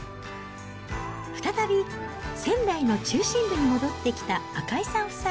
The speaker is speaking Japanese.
再び仙台の中心部に戻ってきた赤井さん夫妻。